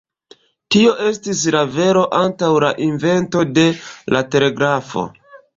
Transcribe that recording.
Tio estis la vero antaŭ la invento de la telegrafo.